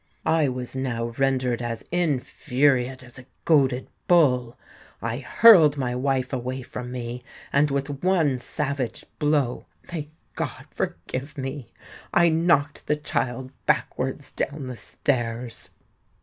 I was now rendered as infuriate as a goaded bull: I hurled my wife away from me, and with one savage blow—may God forgive me!—I knocked the child backwards down the stairs."